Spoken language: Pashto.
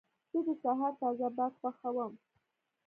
زه د سهار تازه باد خوښوم.